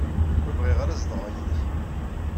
Ur bɣiɣ ara ad zedɣeɣ yid-k.